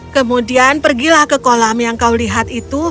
kemudian pergi ke kolam yang kamu lihat